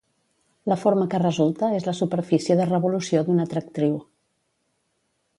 La forma que resulta és la superfície de revolució d'una tractriu.